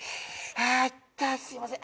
あっすみません。